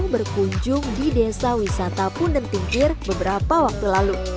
berkunjung di desa wisata punden tingkir beberapa waktu lalu